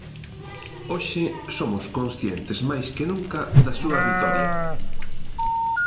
Hoxe somos conscientes máis que nunca da súa vitoria.